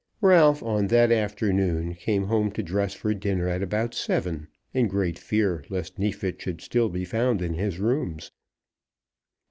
Ralph on that afternoon came home to dress for dinner at about seven, in great fear lest Neefit should still be found in his rooms.